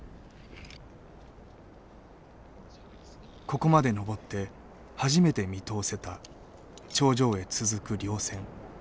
ここまで登って初めて見通せた頂上へ続く稜線。